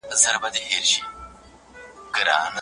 ماشومان باید د پلاستیک کمولو لارې زده کړي.